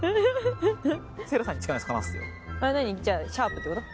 じゃあシャープってこと？